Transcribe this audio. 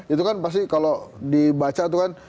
itu kan pasti kalau dibaca itu kan